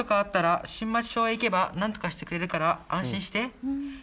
けがとかあったら新町小へ行ったらなんとかしてくれるから安心して。